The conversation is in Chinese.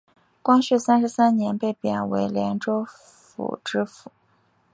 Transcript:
光绪三十三年被贬为廉州府知府。